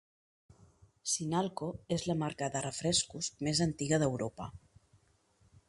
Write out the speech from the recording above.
Sinalco és la marca de refrescos més antiga d'Europa.